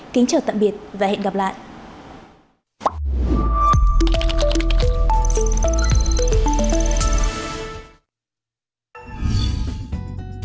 kính chào tạm biệt và hẹn gặp lại